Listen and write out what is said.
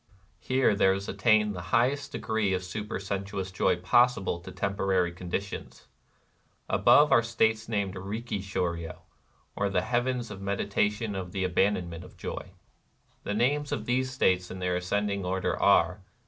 Here there is attained the highest degree of supersensuous joy possible to tem porary conditions. Above are the states named Itihi shdryo^ or the Heavens of the Medita tion of the Abandonment of Joy. The names of these states in their ascending order are.